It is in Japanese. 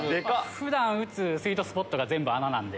普段打つスイートスポットが全部穴なんで。